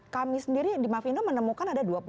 kami sendiri di mavindo menemukan ada dua puluh enam